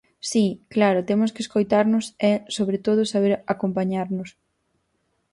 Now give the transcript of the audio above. Si, claro, temos que escoitarnos e, sobre todo, saber acompañarnos.